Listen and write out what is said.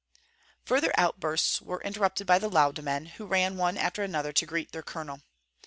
Further outbursts were interrupted by the Lauda men, who ran one after another to greet their colonel.